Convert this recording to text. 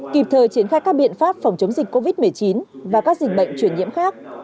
kịp thời triển khai các biện pháp phòng chống dịch covid một mươi chín và các dịch bệnh truyền nhiễm khác